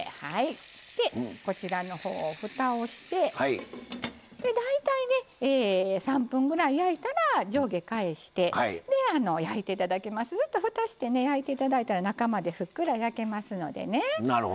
こちらのほうを、ふたをして大体３分ぐらい焼いたら上下返して、焼いていただいてふたをして焼いていただいたら中までふっくら焼けますのでね。